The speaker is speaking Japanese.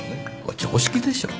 常識でしょう。